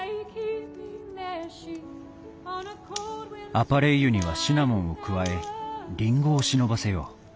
アパレイユにはシナモンを加えりんごを忍ばせよう。